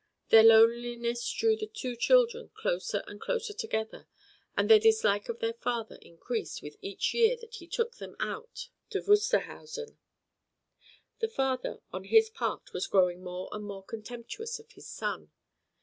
Their loneliness drew the two children closer and closer together, and their dislike of their father increased with each year that he took them out to Wusterhausen. The father, on his part, was growing more and more contemptuous of his son.